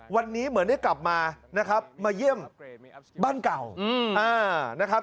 วันนี้เหมือนได้กลับมานะครับมาเยี่ยมบ้านเก่านะครับ